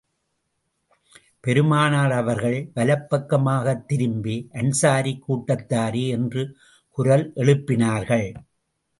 பெருமானார் அவர்கள் வலப்பக்கமாகத் திரும்பி, அன்ஸாரிக் கூட்டத்தாரே என்று குரல் எழுப்பினார்கள்.